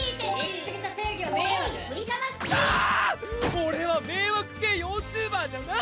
俺は迷惑系ヨーチューバーじゃない！